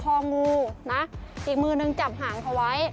งูนะอีกมือนึงจับหางเขาไว้